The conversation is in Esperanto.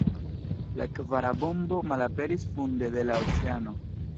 La kvara bombo malaperis funde de la oceano.